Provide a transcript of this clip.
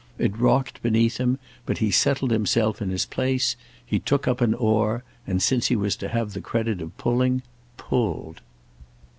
It rocked beneath him, but he settled himself in his place. He took up an oar and, since he was to have the credit of pulling, pulled.